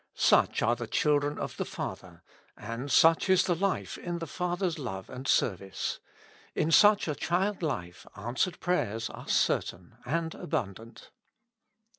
Such are the children of the Father, and such is the life in the Father's love and service : in such a childlife answered prayers are certain and abundant.